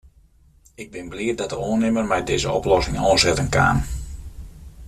Ik bin bliid dat de oannimmer mei dizze oplossing oansetten kaam.